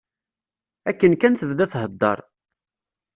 Akken kan tebda thedder.